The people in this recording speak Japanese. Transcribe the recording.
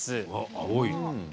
青い。